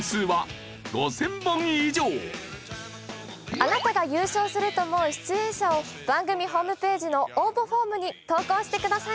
あなたが優勝すると思う出演者を番組ホームページの応募フォームに投稿してください。